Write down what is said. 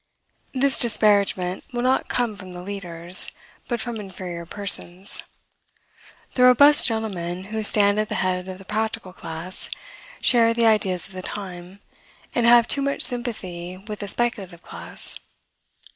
This disparagement will not come from the leaders, but from inferior persons. The robust gentlemen who stand at the head of the practical class, share the ideas of the time, and have too much sympathy with the speculative class.